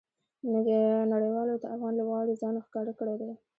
نړۍوالو ته افغان لوبغاړو ځان ښکاره کړى دئ.